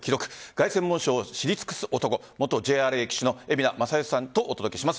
凱旋門賞を知り尽くす男元ＪＲＡ騎手蛯名正義さんとお届けします。